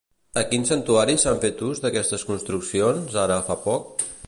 A quin santuari s'han fet ús d'aquestes construccions, ara fa poc?